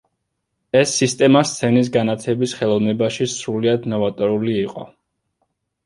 ეს სისტემა სცენის განათების ხელოვნებაში სრულიად ნოვატორული იყო.